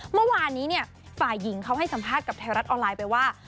เมื่อวานนี้ฝ่ายหญิงเขาให้สัมภาษณ์กับไทยรัฐออนไลน์ไปว่า